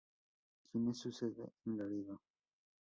Tiene su sede en Laredo.